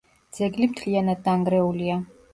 ძეგლი მთლიანად დანგრეულია.